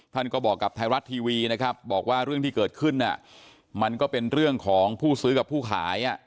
ท่านก็บอกกับไทยรัฐทีวีนะครับบอกว่าเรื่องที่เกิดขึ้นมันก็เป็นเรื่องของผู้ซื้อกับผู้ขาย